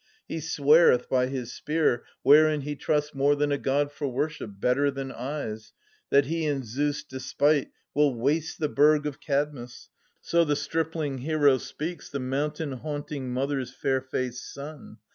He sweareth by his spear, wherein he trusts More than a God for worship, better than eyes, 530 That he in Zeus' despite will waste the burg Of Kadmus : so the stripling hero speaks. The mountain haunting mother's fair faced son.